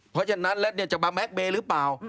เพราะฉะนั้นแล้วจะมาแก๊กเบย์หรือเปล่า